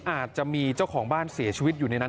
อาจจะมีเจ้าของบ้านเสียชีวิตอยู่ในนั้น